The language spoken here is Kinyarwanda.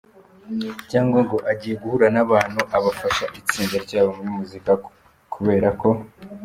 cyangwa ngo agiye guhura nabantu abfasha itsinda ryabo muri muzika kubera ko.